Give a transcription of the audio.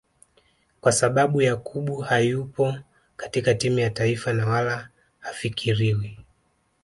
Kwa sababu Yakubu hayupo katika timu ya taifa na wala hafikiriwi